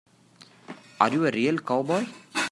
Are you a real cowboy?